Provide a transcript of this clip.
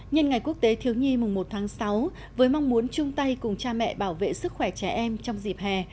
nhân ngày quốc tế thiếu nhi mùng một tháng sáu với mong muốn chung tay cùng cha mẹ bảo vệ sức khỏe trẻ em trong dịp hè